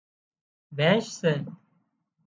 ڀيينش سي